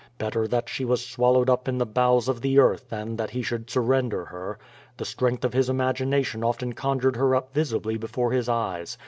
Better that she was swallowed up in the bowels of the earth than that he should surrender her. The strength of his imagination often conjured her up visibly before his eyes.